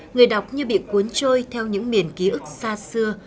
người đọc như bị cuốn trôi theo những miền ký ức xa xưa